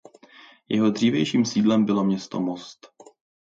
Jeho dřívějším sídlem bylo město Most.